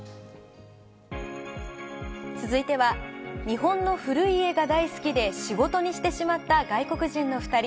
続いては、日本の古い家が大好きで、仕事にしてしまった外国人の２人。